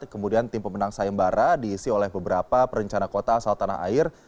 kemudian tim pemenang sayembara diisi oleh beberapa perencana kota asal tanah air